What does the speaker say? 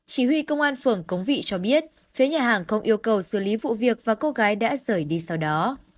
chỉ huy công an phường cống vị cho biết phía nhà hàng không yêu cầu xử lý vụ việc và cô gái đã rời đi sau đó